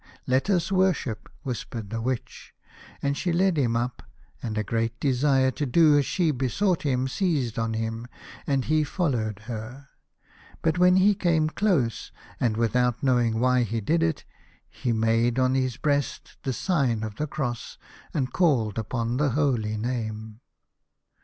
let us worship," whispered the Witch, and she led him up, and a great desire to do as she besought him seized on him, and he followed her. But when he came close, and without knowing why he did it, he made on his breast the sign of the Cross, and called upon the holy name.